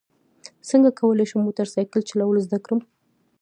څنګه کولی شم موټر سایکل چلول زده کړم